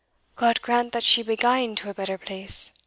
"God grant that she be gane to a better place!"